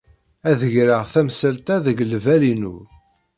Ad d-greɣ tamsalt-a deg lbal-inu.